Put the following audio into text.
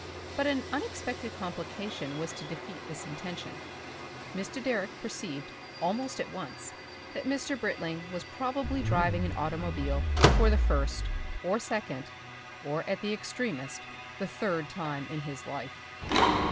But an unexpected complication was to defeat this intention. Mr. Direck perceived almost at once that Mr. Britling was probably driving an automobile for the first or second or at the extremest the third time in his life.